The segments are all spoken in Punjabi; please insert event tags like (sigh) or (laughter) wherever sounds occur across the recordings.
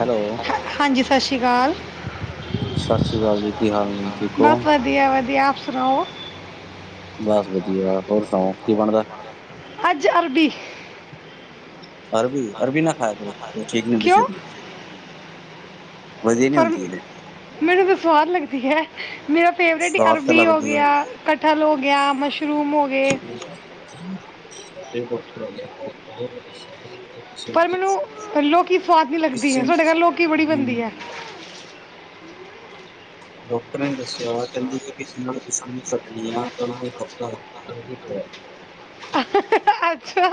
ਹੈਲੋ ਹਾਂਜੀ ਸ ਸ਼੍ਰੀ ਕਾਲ। ਸ ਸ਼੍ਰੀ ਕਾਲ ਜੀ ਕੀ ਹਾਲ? ਨੇ ਠੀਕ ਹੋ? ਬਸ ਵਧੀਆ-ਵਧੀਆ ਆਪ ਸੁਨਾਓ? ਬਸ ਵਧੀਆ ਹੋਰ ਸੁਣਾਓ ਕੀ ਬਣਦੈ? ਅੱਜ ਅਰਬੀ। ਅਰਬੀ, ਅਰਬੀ ਨਾ ਖਾਇਆ ਕਰੋ ਏ ਠੀਕ ਨੀ ਹੁੰਦੀ ਕਿਉਂ ਸੇਤ ਲਈ। ਵਧੀਆ ਨੀ ਪਰਮ, ਹੁੰਦੀ ਇਹ, ਮੈਨੂੰ 'ਤੇ ਸਵਾਦ ਲੱਗਦੀ ਹੈ ਮੇਰਾ ਫੇਵਰੇਟ ਈ ਸਵਾਦ ਤਾਂ ਅਰਬੀ ਹੋ ਲੱਗਦੀ ਹੈ। ਗਿਆ, ਕਠਲ ਹੋ ਗਿਆ, ਮਸ਼ਰੂਮ ਹੋਗੇ। (inaudible) ਪਰ ਮੈਨੂੰ ਕੁਛ- ਲੋਕੀ ਸਵਾਦ ਨੀ ਲੱਗਦੀ ਕਿਸੇ ਹੈ ਹੂੰ, ਸੋਡੇ ਘਰ ਲੋਕੀ ਬੜੀ ਬਣਦੀ ਐ। ਡਾਕਟਰ ਨੇ ਦੱਸਿਆ ਵਾ ਕੈ ਦੇ ਜੇ ਕਿਸੇ ਨਾਲ ਦੁਸ਼ਮਨੀ ਕੱਢਣੀ ਆ ਤਾਂ ਉਨੂੰ ਇਕ ਹਫ਼ਤਾ ਲੋਂਕੀ ਖਵਾਦੋ। ਅੱਛਾ!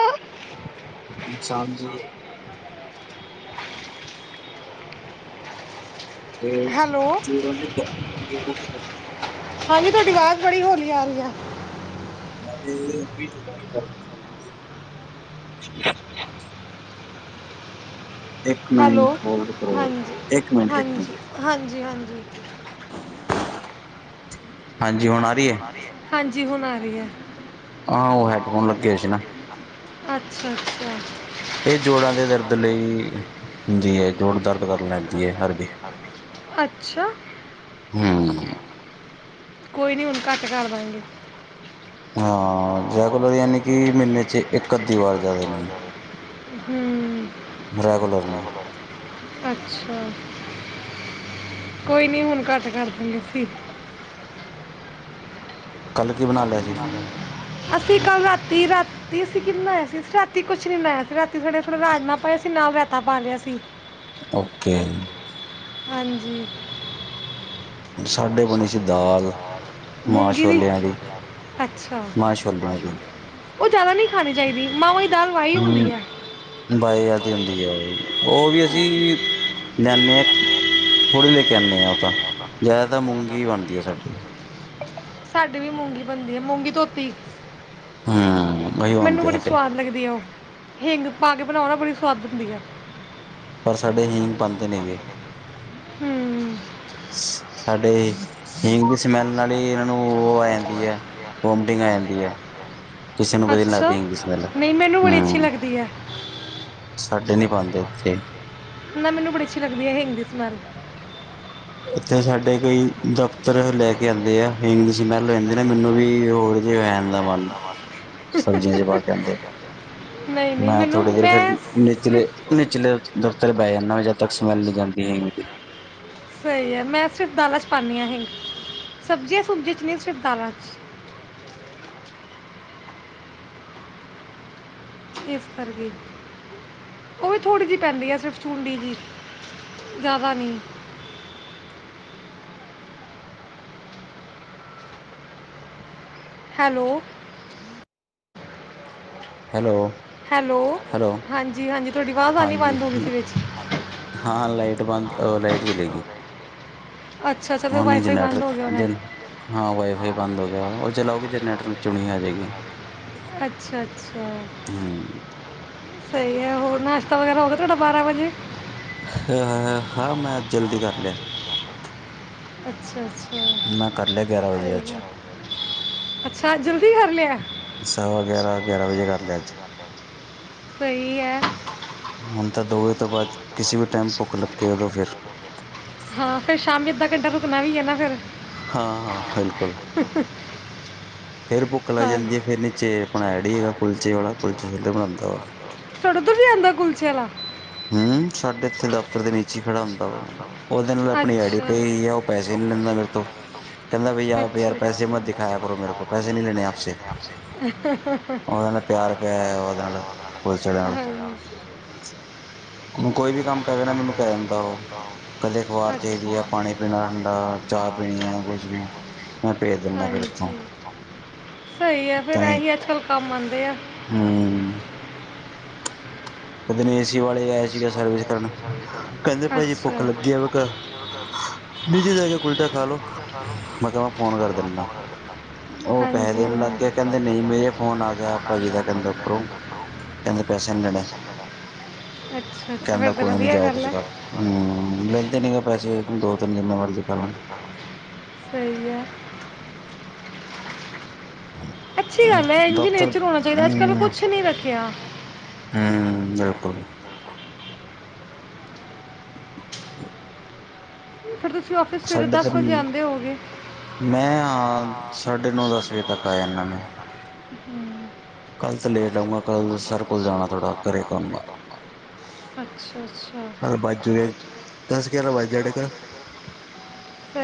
ਇਨਸਾਨ ਦੇ ਏਸ, ਹੈਲੋ ਜੋੜਾਂ ਦੇ ਦ ਜੋੜਾਂ 'ਚ ਦਰਦ ਹਾਂਜੀ ਤੁਹਾਡੀ ਆਵਾਜ਼ ਬੜੀ ਹੌਲੀ ਆ ਰਹੀ ਐ। (unintelligible) (inaudible) ਹੈ। ਇੱਕ ਹੈਲੋ, ਮਿੰਟ ਹੋਲਡ ਕਰੋ, ਹਾਂਜੀ, ਇੱਕ ਮਿੰਟ, ਇੱਕ ਮਿੰਟ। ਹਾਂਜੀ, ਹਾਂਜੀ-ਹਾਂਜੀ। ਹੁਣ ਆ ਹਾਂਜੀ ਰਹੀ ਹੈ ਹੁਣ ਆ ਰਹੀ ਐ। ਹਾਂ ਉਹ ਹੈੱਡਫੋਨ ਲੱਗੇ ਹੋਏ ਸੀ ਨਾਂ। ਅੱਛਾ-ਅੱਛਾ। ਇਹ ਜੋੜਾਂ ਦੇ ਦਰਦ ਲਈ, ਹੁੰਦੀ ਹੈ ਜੋੜ ਦਰਦ ਕਰਨ ਲੈਂਦੀ ਹੈ ਹਰ (unintelligible) ਅੱਛਾ। ਹੂੰ। ਕੋਈ ਨਈਂ ਹੁਣ ਘੱਟ ਕਰ ਦਾਂਗੇ। ਹਾਂ ਰੈਗੂਲਰ ਯਾਨੀ ਕਿ ਮਹੀਨੇ ਚ' ਇੱਕ-ਅੱਧੀ ਵਾਰ ਜ਼ਿਆਦਾ ਨੀਂ। ਹੂੰ ਰੈਗੂਲਰ ਨੀ। ਅੱਛਾ, ਕੋਈ ਨੀਂ ਹੁਣ ਘੱਟ ਕਰਦਾਂ ਗੇ ਅਸੀਂ। ਕੱਲ੍ਹ ਕੀ ਬਣਾ ਲਿਆ ਸੀ? ਅਸੀਂ ਕੱਲ ਰਾਤੀ-ਰਾ ਤੀ ਅਸੀਂ ਕੀ ਬਣਾਇਆ ਸੀ, ਰਾਤੀ ਕੁਛ ਨੀਂ ਬਨਾਇਆ ਸੀ। ਰਾਤੀ ਥੋੜੇ ਰਾਜਮਾਂ ਪਏ ਸੀ, ਨਾਲ ਰੈਤਾ ਪਾ ਲਿਆ ਸੀ। ਓਕੇ। ਹਾਂਜੀ। ਸਾਡੇ ਬਣੀ ਸੀ ਦਾਲ ਮਾਂ ਮੁੂੰਗੀ ਦੀ, ਛੋਲਿਆਂ ਅੱਛਾ। ਮਾਂ ਛੋਲਿਆਂ ਦੀ ਉਹ ਜ਼ਿਆਦਾ ਨਈਂ ਖਾਣੀ ਚਾਹੀਦੀ, ਮਹਾਂ ਦੀ ਦਾਲ ਵਾਈ ਹੁੰਦੀ ਹੂੰ ਐ। ਬਾਏ ਆਦੀ ਹੁੰਦੀ ਹੈ ਉਹ ਉਹ ਵੀ ਅਸੀਂ, ਲਿਆਂਨੇ ਆਂ, ਥੋੜ੍ਹੀ ਲੈ ਕੇ ਆਉਨੇਂ ਆਂ ਉਹ ਤਾਂ। ਜ਼ਿਆਦਾ ਤਾਂ ਮੂੰਗੀ ਈ ਬਣਦੀ ਐ ਸਾਡੀ। ਸਾਡੀ ਵੀ ਮੂੰਗੀ ਬਣਦੀ ਐ, ਮੂੰਗੀ-ਧੋਤੀ। ਹੂੰ। ਉਹੀ ਮੈਨੂੰ ਬਣਦੀ ਬੜੀ ਸਾਡੇ ਸਵਾਦ ਲੱਗਦੀ ਆਂ ਉਹ, ਹਿੰਗ ਪਾ ਕੇ ਬਣਾਓ ਨਾਂ ਬੜੀ ਸਵਾਦ ਬਣਦੀ ਆਂ। ਪਰ ਸਾਡੇ ਹਿੰਗ ਪਾਂਦੇ ਨੀਂ ਹੈਗੇ। ਹੂੰ। ਸਾਡੇ, ਹਿੰਗ ਸਮੈਲ ਨਾਲ ਈ ਇਹਨਾਂ ਨੂੰ ਉਹ ਆ ਜਾਂਦੀ ਆ, ਵੋਮਟਿੰਗ ਆ ਜਾਂਦੀ ਆ। ਕਿਸੇ ਨੂੰ ਵਧੀਆ ਨੀਂ ਅੱਛਾ ਲੱਗਦੀ ਹੁੰਦੀ ਸਮੈੱਲ, ਨਹੀਂ ਮੈਨੂੰ ਬੜੀ ਅੱਛੀ ਹੂੰ। ਲੱਗਦੀ ਹੈ ਸਾਡੇ ਨੀ ਪਾਂਦੇ, ਇੱਥੇ। ਨਾਂ ਮੈਨੂੰ ਬੜੀ ਅੱਛੀ ਲੱਗਦੀ ਐ ਹਿੰਗ ਦੀ ਸਮੈਲ। ਇੱਥੇ ਸਾਡੇ ਕਈ, ਦਫ਼ਤਰ ਲੈ ਕੇ ਆਉਂਦੇ ਆ ਹਿੰਗ ਸਮੈਲ ਲੈਂਦੇ ਨੇਂ ਮੈਨੂੰ ਵੀ ਹੋਰ (unintelligible) ਮਨ, ਸਬਜ਼ੀਆਂ ਚ' ਪਾ ਕੇ ਆਂਦੇ। ਨਹੀਂ ਨਹੀਂ ਮੈਂ ਮੈਨੂੰ ਥੋੜੀ ਦੇਰ ਫੇਰ, ਮੈਂ ਨਿਚਲੇ, ਸਿਰਫ ਨਿਚਲੇ ਦਫ਼ਤਰ ਬਹਿ ਜਾਨਾ ਜਦ ਤੱਕ ਸਮੈਲ ਨੀਂ ਜਾਂਦੀ ਹੈਗੀ। ਸਹੀ ਐ ਮੈਂ ਸਿਰਫ ਦਾਲਾਂ ਚ' ਪਾਨੀ ਆਂ ਹਿੰਗ, ਸਬਜ਼ੀਆਂ-ਸੁਬਜ਼ੀਆਂ ਚ ਨਹੀਂ ਸਿਰਫ ਦਾਲਾਂ ਚ'। ਏਸ ਕਰਕੇ। ਉਹ ਵੀ ਥੋੜ੍ਹੀ ਜਿਹੀ ਪੈਂਦੀ ਆਂ ਸਿਰਫ ਚੂੰਢੀ ਜਿਹੀ, ਜ਼ਿਆਦਾ ਨੀਂ। ਹੈਲੋ ਹੈਲੋ ਹੈਲੋ, ਹਾਂਜੀ-ਹਾਂਜੀ ਤੁਹਾਡੀ ਆਵਾਜ਼ ਆਣੀ ਹਾਂਜੀ ਬੰਦ ਹੋ ਗਈ ਸੀ ਵਿੱਚ। ਹਾਂ ਲਾਈਟ ਬੰਦ, ਅ ਲਾਈਟ ਚਲੀ ਗਈ। ਅੱਛਾ ਅੱਛਾ ਫਿਰ ਉਹਨੂੰ ਵਾਈਫਾਈ ਜਨੈਟਰ ਬੰਦ ਹੋ ਗਿਆ ਹੋਣਾ ਜਨ, ਹਾਂ ਵਾਈਫਾਈ ਬੰਦ ਹੋ ਗਿਆ ਉਹ ਚਲਾਓਗੇ ਜਰਨੇਟਰ ਨੂੰ। ਚੁਣੀ ਆਂ ਜਾਏਗੀ। ਅੱਛਾ-ਅੱਛਾ। ਹੂੰ। ਸਹੀ ਹੈ, ਹੋਰ ਨਾਸ਼ਤਾ ਵਗੈਰਾ ਹੋ ਗਿਆ ਤੁਹਾਡਾ ਬਾਰਾਂ ਵਜੇ? ਆਹ, ਹਾਂ ਮੈਂ ਜਲਦੀ ਕਰ ਲਿਆ। ਅੱਛਾ-ਅੱਛਾ। ਮੈਂ ਕਰ ਲਿਆ ਗਿਆਰਾਂ ਵਜੇ ਸਹੀ ਅੱਜ ਹੈ ਅੱਛਾ, ਅੱਜ ਜਲਦੀ ਕਰ ਲਿਆ। ਸਵਾ-ਗਿਆਰਾਂ, ਗਿਆਰਾਂ ਵਜੇ ਕਰ ਲਿਆ ਅੱਜ। ਸਹੀ ਹੈ। ਹੁਣ ਤਾਂ ਦੋ ਵੇਜ ਤੋਂ ਬਾਅਦ, ਕਿਸੇ ਵੀ ਟਾਈਮ ਭੁੱਖ ਲੱਗੇ ਉਦੋ ਫੇਰ। ਹਾਂ, ਫਿਰ ਸ਼ਾਮੀ ਅੱਧਾ ਘੰਟਾ ਰੁਕਣਾ ਵੀ ਹੈ ਨਾ, ਫਿਰ। ਹਾਂ, ਹਾਂ, ਬਿਲਕੁਲ। ਫੇਰ ਭੁੱਖ ਲੱਗ ਜਾਂਦੀ, ਫੇਰ ਨੀਚੇ ਆਪਣਾ ਏਡੀ ਹੈਗਾ ਕੁਲਚੇ ਵਾਲਾ, ਕੁਲਚੇ-ਛੋਲੇ ਬਣਾਉਦਾ। ਤਾਡੇ ਉਧਰ ਵੀ ਆਂਦਾ ਕੂਲਚੇ ਵਾਲਾ। ਹਮ, ਸਾਡੇ ਇੱਥੇ ਦਫ਼ਤਰ ਦੇ ਨੀਚੇ ਹੀ ਖੜਾ ਹੁੰਦਾ ਵਾ, ਉਹਦੇ ਨਾਲ ਆਪਣੀ ਆੜੀ ਪਈ ਆ ਪੈਸੇ ਨਹੀਂ ਲੈਂਦਾ ਮੇਰੇ ਤੋਂ, ਕਹਿੰਦਾ ਬਈ, ਆਪ ਯਾਰ, ਪੈਸੇ ਮਤ ਦਿਖਾਇਆ ਕਰੋ ਮੇਰੇ ਕੋ। ਪੈਸੇ ਨਹੀਂ ਲੈਣੇ ਆਪ ਸੇ। ਹੈ ਉਹਦੇ ਨਾਲ ਪੁਲਿਸ ਵਾਲੇ ਹਮ। ਹੁਣ ਕੋਈ ਵੀ ਕੰਮ ਪੈਵੇ ਨਾ, ਮੈਨੂੰ ਕਹਿ ਦਿੰਦਾ, ਉਹ ਕਦੇ ਅਖਬਾਰ ਚਾਹੀਦੀ ਹੈ, ਪਾਣੀ ਪੀਣਾ ਠੰਡਾ। ਚਾਹ ਪੀਣੀ ਆ, ਕੁਛ ਵੀ, ਮੈਂ ਭੇਜ ਦਿੰਦਾ ਫਿਰ ਹਾਂਜੀ ਇੱਥੋਂ। ਸਹੀ ਆ, ਫੇਰ ਇਹੀ ਅੱਜਕਲ੍ਹ ਕੰਮ ਆਉਂਦੇ ਆ। ਹੂੰ। ਉਸ ਦਿਨ ਏ ਸੀ ਵਾਲੇ ਆਏ ਸੀਗਾ ਸਰਵਿਸ ਕਰ, ਕਹਿੰਦੇ ਭਾਜੀ ਅੱਛਾ ਭੁੱਖ ਲੱਗੀ ਆ। ਨੀਚੇ ਜਾ ਕੇ ਕੁਲਚਾ ਖਾ ਲਓ, ਮੈਂ ਕਿਹਾ, ਫੋਨ ਕਰ ਦਿੰਦਾ। ਉਹ ਪੈਸੇ ਹਾਂਜੀ ਦੇਣ ਲੱਗ ਗਏ, ਕਹਿੰਦੇ ਨਹੀਂ, ਮੇਰੇ ਫੋਨ ਆ ਗਿਆ ਪਾਜੀ ਦਾ, ਕਹਿੰਦਾ ਉਪਰੋਂ। ਕਹਿੰਦੇ, ਪੈਸੇ ਨਹੀਂ ਲੈਣੇ। ਅੱਛਾ ਅੱਛਾ ਕਹਿੰਦਾ, ਫਿਰ ਤਾਂ ਕੋਈ ਨੀ ਵਧੀਆ ਜਾਓ ਗੱਲ ਤੁਸੀਂ ਹੈ ਘਰ, ਲੈਂਦੇ ਨਹੀਂ ਗਏ ਪੈਸੇ ਦੋ-ਤਿੰਨ ਜਿੰਨਾ ਮਰਜੀ ਖਾਲੋ। ਸਹੀ ਐ। ਅੱਛੀ ਗੱਲ ਹੈ, ਇੰਜ ਦਫ਼ਤਰ ਨੇਚਰ ਹੋਣਾ ਚਾਹੀਦਾ, ਅੱਜਕਲ੍ਹ ਹਮ ਕੁਛ ਨੀ ਰੱਖਿਆ। ਹੂੰ ਬਿਲਕੁਲ। ਫੇਰ ਤੁਸੀਂ ਓਫਿਸ ਸਾਡੇ ਤਾਂ ਮੈਂ ਆ, ਸਾਢੇ-ਨੌ ਦਸ ਵਜੇ ਤੱਕ ਆ ਜਾਂਦਾ। ਹੂੰ। ਕੱਲ ਤਾਂ ਲੇਟ ਆਊਂਗਾ ਕੱਲ ਸਰ ਕੋਲ ਜਾਣਾ ਥੋੜਾ ਘਰੇ ਕੰਮ ਆ (inaudible) ਅੱਛਾ, ਅੱਛਾ। ਦਸ-ਗਿਆਰਾ ਵੱਜ ਜਾਡੇ ਕਾ।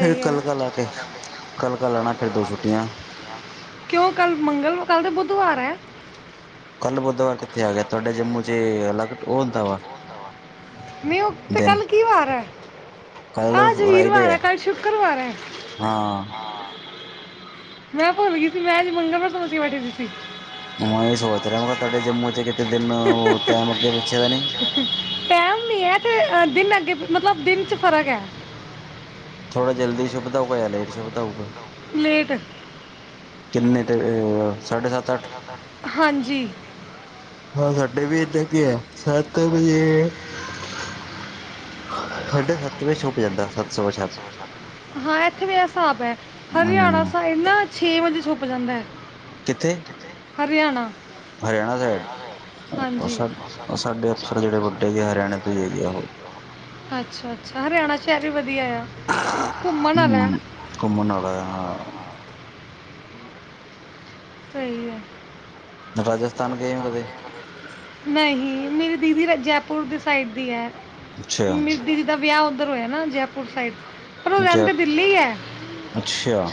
ਫਿਰ ਹੈ ਕਲ-ਕਲ ਆ ਕੇ, ਕਲ-ਕਲ ਆਣਾ, ਫਿਰ ਦੋ ਛੁੱਟੀਆਂ। ਕਿਉਂ ਕੱਲ ਮੰਗਲ, ਕੱਲ ਤੇ ਬੁੱਧਵਾਰ ਹੈ। ਕੱਲ ਬੁੱਧਵਾਰ ਕਿੱਥੇ ਆ ਗਿਆ, ਤੁਹਾਡੇ ਜੰਮੂ'ਚ ਅਲਗ ਉਹ ਹੁੰਦਾ ਵਾ। ਨਹੀਂ ਉਹ, ਤੇ ਦਿਨ ਕੱਲ ਕੀ ਵਾਰ ਹੈ। ਕੱਲ ਅਜ ਵੀਰਵਾਰ ਫਰਾਈਡੇ ਹੈ, ਕੱਲ ਸ਼ੁੱਕਰਵਾਰ ਹੈ! ਹਾਂ ਮੈਂ ਭੁੱਲ ਗਈ ਸੀ, ਮੈਂ ਅੱਜ ਮੰਗਲਵਾਰ ਸਮਝ ਕੇ ਬੈਠੀ ਸੀ। ਮੈਂ ਏ ਸੋਚ ਰਿਆ ਮੈਂ ਕਿਆ ਤੁਹਾਡੇ ਜੰਮੂ ਚ ਕਿਤੇ ਦਿਨ ਟੈਮ ਅੱਗੇ ਪਿੱਛੇ ਤਾਂ ਨੀ। ਟੈਮ ਵੀ ਐ ਤੇ ਦਿਨ ਅੱਗੇ ਮਤਲਬ ਦਿਨ ਚ ਫ਼ਰਕ ਐ। ਥੋੜਾ ਜਲਦੀ ਸੁੁਪਦਾ ਹੋਊਗਾ ਲੇਟ ਸੁੁਪਦਾ ਹੋਊਗਾ। ਲੇਟ। ਕਿੰਨੇ ਤੇ ਅ ਹਾਂਜੀ। ਹਾਂ ਸਾਡੇ ਵੀ (unintelligible) ਸੱਤ ਵਜੇ ਸਾਡੇ ਸੱਤ ਵਜੇ ਛੁਪ ਜਾਂਦਾ ਸੱਤ ਸਵਾ ਸਤ। (unintelligible) ਹਿਸਾਬ ਐ ਹਰਿਆਣਾ ਹਮ (unintelligible) ਛੇ ਵਜੇ ਛੁਪ ਜਾਂਦੈ। ਕਿੱਥੇ? ਹਰਿਆਣਾ। ਹਰਿਆਣਾ ਸਾਈਡ ਹਾਂਜੀ। ਉਹ ਸਾਡੇ ਅਫਸਰ ਜਿਹੜੇ ਵੱਡੇ ਜ ਹਰਿਆਣੇ ਤੋਂ ਹੀ ਹੈਗੇ ਉਹ ਅੱਛਾ-ਅੱਛਾ ਹਰਿਆਣਾ ਸ਼ੈਰ ਵੀ ਵਧੀਆ ਆ। ਘੁੰਮਣ ਵਾਲਾ ਹੂੰ ਹੈ ਘੁੰਮਣ ਨਾਲਾਂ ਆ। ਸਈ ਐ। ਰਾਜਸਥਾਨ ਗਏ ਓ ਕਦੇ? ਨਹੀਂ ਮੇਰੀ ਦੀਦੀ ਜੈਪੁਰ ਦੇ ਸਾਈਡ ਦੀ ਐ ਅੱਛਾ ਮੇਰੀ ਦੀਦੀ ਦਾ ਵਿਆਹ ਉੱਧਰ ਹੋਇਆ ਨਾ ਜੈਪੁਰ ਸਾਈਡ ਪਰ ਓ ਜੈ ਰੈਂਦੇ ਦਿੱਲੀ ਐ ਅੱਛਾ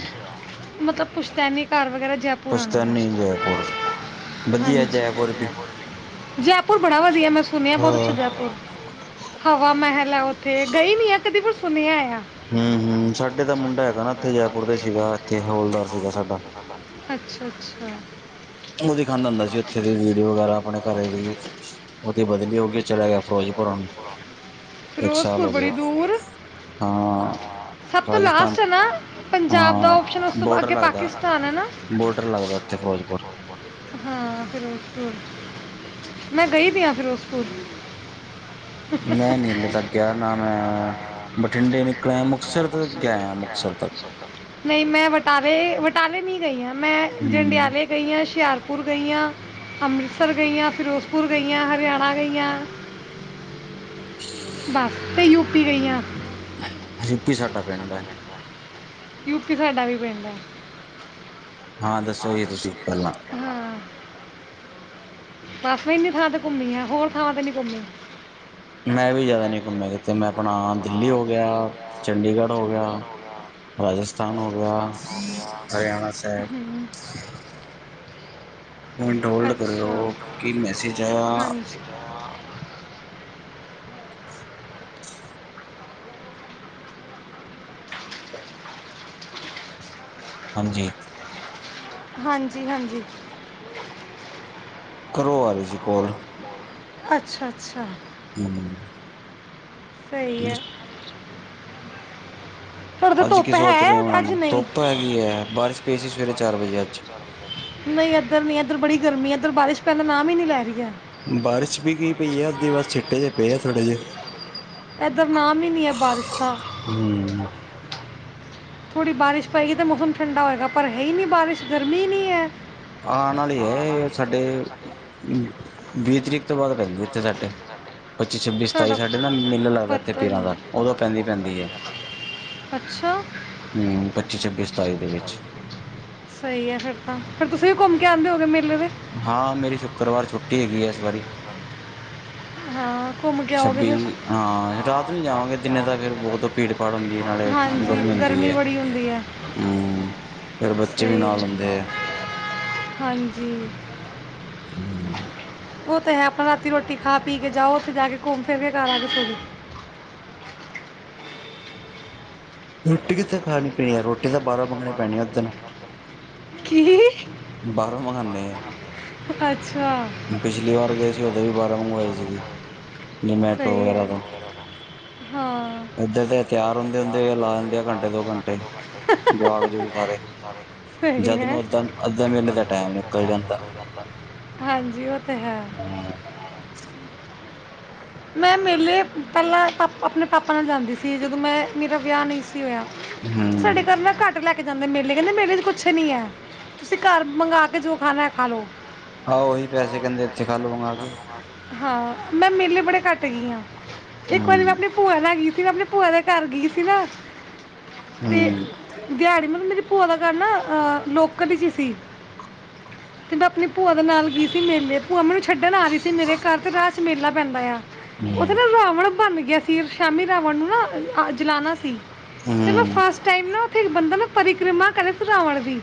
ਮਤਲਬ ਪੁੱਛਤੈਨੀ ਘਰ ਵਗੈਰਾ ਜੇ ਪੁਰਾਣਾ ਪੁਸਤੈਨੀ ਘਰ ਜੈਪੁਰ ਵਧੀਆ ਹਾਂਜੀ ਜੈਪੁਰ ਵੀ (unintelligible) ਜੈਪੁਰ ਬੜਾ ਵਧੀਆ ਮੈਂ ਸੁਣਿਆ ਹਾਂ ਬੋਤ ਅੱਛਾ ਜੈਪੁਰ। ਹਵਾ ਮਹਿਲ ਐ ਉੱਥੇ ਗਈ ਨੀ ਆ ਕਦੀ ਪਰ ਸੁਣਿਆ ਆ। ਹੂੰ-ਹੂੰ ਸਾਡੇ ਤਾਂ ਮੁੰਡਾ ਹੈਗਾ ਨਾ ਇੱਥੇ ਜੈਪੁਰ ਦਾ ਸੀਗਾ ਇੱਥੇ ਹੋਲਦਾਰ ਸੀਗਾ ਸਾਡਾ। ਅੱਛਾ-ਅੱਛਾ। ਓ ਦਿਖਾਂਦਾ ਹੁੰਦਾ ਸੀਉੱਥੇ ਦੀ ਵੀਡੀਓ ਵਗੈਰਾ ਆਪਣੇ ਘਰੇ ਦੀ ਓਦੀ ਬਦਲੀ ਹੋਗੀ ਚਲਿਆ ਗਿਆ ਫਿਰੋਜ਼ਪੁਰਾਂ ਨੂੰ। ਫਿਰੋਜ਼ਪੁਰ ਬੜੀ ਦੂਰ? ਹਾਂ ਸਭ ਤੋਂ ਰਾਜਸਥਾਨ ਲਾਸਟ ਐ ਨਾ? ਪੰਜਾਬ ਦਾ ਹਾਂ ਓਪਸ਼ਨ ਉਸ ਤੋ ਬੋਡਰ ਅੱਗੇ ਲੱਗਦਾ ਪਾਕਿਸਤਾਨ ਐ ਨਾ? ਬੋਡਰ ਲੱਗਦਾ ਉੱਥੇ ਫਿਰੋਜ਼ਪੁਰ। ਹਾਂ ਫਿਰਜ਼ਪੁਰ। ਮੈਂ ਗਈ ਦੀ ਆ ਫਿਰੋਜ਼ਪੁਰ। ਮੈਂ ਨੀ ਇਲੇ ਤੱਕ ਗਿਆ ਨਾ ਮੈਂ ਬਠਿੰਡੇ ਨਿਕਲਿਆ ਮੁਕਤਸਰ ਤਾਂ ਗਿਆ ਮੁਕਤਸਰ ਤੱਕ ਨਈ ਮੈਂ ਬਟਾਲੇ ਵਟਾਲੇ ਨੀ ਗਈ ਆ ਮੈਂ ਹੂੰ ਜੰਡਿਆਲੇ ਗਈ ਆ, ਹੁਸ਼ਿਆਰ ਪੁਰ ਗਈ ਆ, ਅੰਮ੍ਰਿਤਸਰ ਗਈ ਆ, ਫਿਰੋਜ਼ਪੁਰ ਗਈ ਆ, ਹਰਿਆਣਾ ਗਈ ਆ ਬਸ ਤੇ ਯੂਪੀ ਗਈ ਆ। ਯੂੱਪੀ ਸਾਡਾ ਪਿੰਡ ਐ। ਯੁਪੀ ਸਾਡਾ ਵੀ ਪਿੰਡ ਐ। ਹਾਂ ਦੱਸੋ ਜੀ ਤੁਸੀਂ ਪੈਲਾਂ। ਹਾਂ। ਬਸ ਮੈਂ ਇੰਨੀ ਥਾਂ ਤੇ ਘੁੰਮੀ ਆ ਹੋਰ ਥਾਵਾਂ ਤੇ ਨੀ ਘੁੰਮੀ। (unintelligible) ਮੈਂ ਵੀ ਜ਼ਿਆਦਾ ਨਹੀਂ ਘੁੰਮਿਆ ਕਿਤੇ ਮੈਂ ਆਪਣਾ ਦਿੱਲੀ ਹੋ ਗਿਆ ਚੰਡੀਗੜ੍ਹ ਗਿਆ ਚੰਡੀਗੜ੍ਹ ਹੋ ਗਿਆ ਰਾਜਸਥਾਨ ਹੋ ਗਿਆ ਰਾਜਸਥਾਨ ਹੋ ਗਿਆ ਹਰਿਆਣਾ ਸਾਹਿਬ ਹੂੰ ਮਿੰਟ (unintelligible) ਹੋਲਡ ਅੱਛਾ ਕਰਿਓ ਕੀ ਮੈਸੇਜ ਆਇਆ ਹਾਂਜੀ। ਹਾਂਜੀ। ਹਾਂਜੀ, ਹਾਂਜੀ। ਘਰੋ ਆ ਰਹੀ ਜੀ ਕੋਲ। ਅੱਛਾ, ਅੱਛਾ। ਹਮ ਸਈ ਐ। ਤੁਹਾਡੇ ਤਾਂ ਅੱਜ ਕੀ ਧੁੱਪ ਸੋਚ ਰਹੇ ਹੈ ਉਹਨਾਂ ਅੱਜ ਨੂੰ ਨਹੀਂ ਧੁੱਪ ਹੈਗੀ ਐ। ਬਾਰਿਸ਼ ਪਈ ਸੀ ਸਵੇਰੇ ਚਾਰ ਵਜੇ ਅੱਜ। ਨਹੀਂ ਇੱਧਰ ਨੀ ਇੱਧਰ ਬੜੀ ਗਰਮੀ ਐ, ਇੱਧਰ ਬਾਰਿਸ਼ ਪੈਣ ਦਾ ਨਾਮ ਈ ਨੀ ਲੈ ਰਹੀ ਐ। ਬਾਰਿਸ਼ ਵੀ ਗ ਪਈ ਆ। ਅੇ ਬਸ ਛਿੱਟੇ ਜ ਪਏ ਆ ਥੋੜੇ ਜਿਹੇ। ਇੱਧਰ ਨਾਮ ਈ ਨਹੀਂ ਐ ਬਾਰਿਸ਼ ਦਾ। ਹਮ ਥੋੜ੍ਹੀ ਬਾਰਿਸ਼ ਪਏਗੀ ਤਾਂ, ਮੌਸਮ ਠੰਡਾ ਹੋਏਗਾ। ਪਰ ਹੈ ਈ ਨਹੀਂ ਬਾਰਿਸ਼ ਗਰਮੀ ਏਨੀ ਐ। ਆ, ਨਾਲ ਈ ਐ ਸਾਡੇ ਵੀਹ ਤਰੀਕ। ਤੋਂ ਬਾਅਦ ਪੈਂਦੇ ਇੱਥੇ ਸਾਡੇ, ਪੱਚੀ, ਛੱਬੀ, ਸਤਾਈ ਸਾਡਾ ਸਾਡੇ ਨਾ ਮੇਲਾ ਲੱਗਦਾ ਇੱਥੇ ਪਤਾ ਹੀ ਪੀਰਾਂ ਦਾ। ਨਹੀਂ ਉਦੋਂ ਪੈਂਦੀ-ਪੈਂਦੀ ਐ। ਅੱਛਾ ਹਮ, ਪੱਚੀ, ਛੱਬੀ, ਸਤਾਈ ਦੇ ਵਿੱਚ। ਸਹੀ ਐ ਫਿਰ ਤਾਂ, ਫੇਰ ਤੁਸੀਂ ਵੀ ਘੁੰਮ ਕੇ ਆਂਦੇ ਹੋਵੋਗੇ ਮੇਲੇ ਵਿਚ ਹਾਂ, ਮੇਰੀ ਸ਼ੁੱਕਰਵਾਰ ਛੁੱਟੀ ਹੈਗੀ ਐ ਇਸ ਵਾਰੀ। ਹਾਂ ਘੁੰਮ ਕੇ ਆਓਗੇ ਛੱਬੀ ਫਿਰ ਨੂ ਹਾਂ, ਰਾਤ ਨੂ ਜਾਵਾਂਗੇ ਦਿਨੇ ਤਾ ਫੇਰ ਬਹੁਤ ਭੀੜ ਫੜ ਹੁੰਦੀ ਐ ਨਾਲੇ ਹਾਂਜੀ ਗਰਮੀ ਹੁੰਦੀ ਐ, ਬੜੀ ਹੁੰਦੀ ਹੈ ਹੁੰ ਫੇਰ ਬੱਚੇ ਵੀ ਸਹੀ ਨਾਲ ਹੁੰਦੇ ਐ। ਹੈ। ਹਾਂਜੀ। (inaudible) ਉਹ ਤੇ ਹੈ ਆਪਣਾ ਰਾਤੀ ਰੋਟੀ ਖਾ ਪੀ ਕੇ ਜਾਓ, ਉੱਥੇ ਜਾ ਕੇ ਘੁੰਮ- ਫਿਰ ਕੇ ਘਰ ਆ ਕੇ ਸੋਜੋ। ਰੋਟੀ ਕਿੱਥੇ ਖਾਣੀ-ਪੀਣੀ ਐ, ਰੋਟੀ ਤਾਂ ਬਾਹਰੋਂ ਮੰਗਣੀ ਪੈਣੀ ਓਦਣ ਕੀ ਬਾਰੋ ਮਾਗਾਂ ਨੇ ਅੱਛਾ ਪਿਛਲੀ ਵਾਰ ਗਏ ਸੀ ਉਦੋਂ ਵੀ ਬਾਰੋ ਮੰਗਵਾਏ ਸੀਗੇ, ਜਮੈਟੋ ਸਹੀ ਵਗੈਰਾ ਹੈ। ਤੋਂ ਹਾਂ। ਇਏਧਰ ਦੇ ਤਿਆਰ ਹੁੰਦੇ- ਹੁੰਦੇ ਲਾ ਦਿੰਦੇ ਆ ਘੰਟੇ ਦੋ ਘੰਟੇ ਜੁਆਕ -ਜੁਆਕ ਸਾਰੇ ਸਹੀ ਜਦ ਹੈ, ਨੂੰ ਅੱਧਾ ਅੱਧੇ ਵੇਲੇ ਦਾ ਟਾਈਮ ਨਿਕਲ ਜਾਂਦਾ ਹਾਂਜੀ ਉਹ ਤੇ ਹੈ। ਹੁੰ ਮੈਂ ਮੇਲੇ ਪਹਿਲਾਂ ਪਾਪ ਆਪਣੇ ਪਾਪਾ ਨਾਲ ਜਾਂਦੀ ਸੀ, ਜਦੋਂ ਮੈਂ ਮੇਰਾ ਵਿਆਹ ਨਹੀਂ ਸੀ ਹੋਇਆ। ਹੁੰ ਕਰਨਾ ਘੱਟ ਲੈ ਕੇ ਜਾਂਦੇ ਮੇਲੇ, ਕਹਿੰਦੇ ਮੇਲੇ ਚ ਕੁੱਛ ਨੀ ਐ। ਤੁਸੀਂ ਘਰ ਮੰਗਾ ਕੇ ਜੋ ਖਾਣਾ ਏ ਖਾਲਓ। ਹਾਂ ਉਹੀ ਪੈਸੇ ਕਹਦੇ ਇੱਥੇ ਖਾ ਲੋ ਮੰਗਾਵਾ ਕੇ ਹਾਂ ਮੈਂ ਮੇਲੇ ਬੜੇ ਘੱਟ ਗਈ ਆ, ਇੱਕ ਵਾਰੀ ਮੈਂ ਹੂੰ ਆਪਣੇ ਭੂਆ ਲੈ ਗਈ ਸੀ ਨਾ, ਮੇ ਆਪਣੇ ਭੂਆ ਦੇ ਘਰ ਗਈ ਸੀ ਨਾ ਤੇ ਹੂੰ ਹੂੰ ਦਿਹਾੜੀ ਮਤਲਬ ਮੇਰੀ ਭੂਆ ਦਾ ਘਰ ਨਾ ਅਹ ਲੋਕਲ ਹੀ ਚ ਸੀ। ਤੇ ਮੈਂ ਆਪਣੀ ਭੂਆ ਦੇ ਨਾਲ ਗਈ ਸੀ ਮੇਲੇ ਭੂਆ ਮੈਨੂੰ ਛੱਡਣ ਆ ਰਹੀ ਸੀ ਮੇਰੇ ਘਰ ਤੇ ਰਾਹ ਚ ਮੇਲਾ ਪੈਂਦਾ ਆ। ਉੱਥੇ ਹੂੰ ਨਾ ਰਾਵਣ ਬਣ ਗਿਆ ਸੀ, ਸ਼ਾਮੀ ਰਾਵਣ ਨੂੰ ਨਾ ਜਲਾਨਣਾ ਸੀ। ਤੇ ਮੈਂ ਹੂੰ ਫਸਟ ਟਮ ਨਾ ਉੱਥੇ ਇੱਕ ਬੰਦਾ ਨਾ ਪਰਿਕਰਮਾ ਕਰ ਸੀ ਰਾਵਣ ਦੀ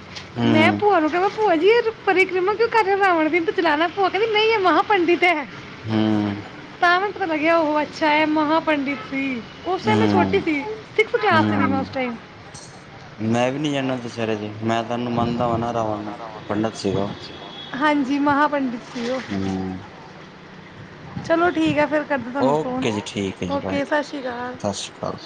ਮੈਂ ਹੂੰ ਭੂਆ ਨੂੰ ਕਿਹਾ ਭੂਆ ਜੀ ਇਹ ਤੇ ਪਰਿਕਰਮਾ ਕਿਉਂ ਕਰ ਰਾਵਣ ਦੀ ਚਲਾਣਾ ਭੂਆ ਕਹਦੀ ਨਹੀਂ ਇਹ ਮਹ ਪੰਡਿਤ ਐ। ਹੁੰ ਸਾਵਨ ਤ ਲਗਿਆ ਉਹ ਅੱਛਾ ਹੈ ਮਹਾ ਪੰਡਿਤ ਸੀ ਉਸ ਟਾਈਮ ਮੈਂ ਛੋਟੀ ਸੀ ਸਿਕਸ ਕਲਾਸ ਸੀ ਸੀ ਮੈਂ ਉਸ ਹੂੰ ਟਾਈਮ ਮੈਂ ਵੀ ਨੀ ਜਾਂਦਾ ਦੁਸੈਰੇ ਤੇ ਮੈਂ ਤੇ ਐਨੂੰ ਮੰਨਦਾ ਵ ਨਾ ਰਾਵਣ ਨੂੰ ਪੰਡਿਤ ਸੀਗਾ ਹਾਂਜੀ ਮਹਾਂ ਪੰਡਿਤ ਸੀ ਉਹ ਚਲੋ ਠੀਕ ਹੈ ਫਿਰ ਕਰਦੀ ਤੁਹਾਨੂੰ ਫ਼ੋਨ ਓਕੇ ਜੀ ਠੀਕ ਹੈ ਜੀ ਬਾਏ ਓਕੇ ਸਤਿ ਸ਼੍ਰੀ ਅਕਾਲ ਸਤਿ ਸ਼੍ਰੀ ਅਕਾਲ